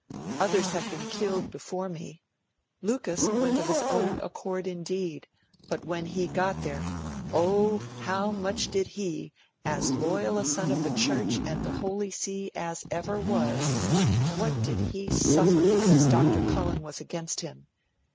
Others have been killed before me. Lucas went of his own accord indeed but when he got there, oh!' How much did he, as loyal a son of the Church and the Holy See as ever was, what did he suffer because Dr. Cullen was against him?